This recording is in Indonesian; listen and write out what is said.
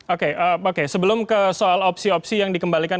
oke oke sebelum ke soal opsi opsi yang dikembalikan